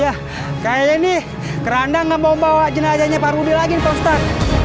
ya kayak gini kerandang ngebawa jenazahnya parodi lagi poster